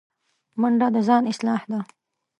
منډه د ځان اصلاح ده